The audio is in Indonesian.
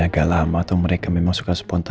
agak lama atau mereka memang suka spontan